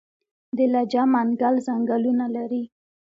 د لجه منګل ځنګلونه لري